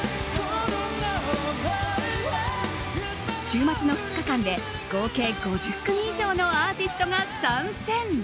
週末の２日間で合計５０組以上のアーティストが参戦。